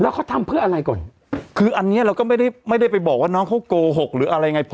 เขาทำเพื่ออะไรก่อนคืออันนี้เราก็ไม่ได้ไม่ได้ไปบอกว่าน้องเขาโกหกหรืออะไรไง